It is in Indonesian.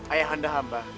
ayah anda hamba